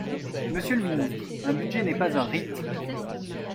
Monsieur le ministre, un budget n’est pas un rite.